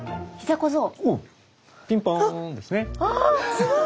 すごい！